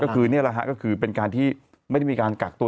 ก็คือเป็นการที่ไม่ได้มีการกักตัว